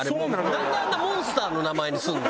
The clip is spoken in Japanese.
なんであんなモンスターの名前にするの？